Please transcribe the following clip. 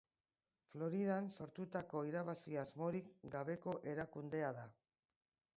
Floridan sortutako irabazi asmorik gabeko erakundea da.